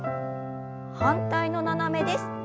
反対の斜めです。